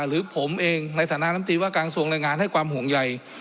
หรือผมเองในฐานะลำตีว่าการทรวงแรงงานให้ความห่วงใย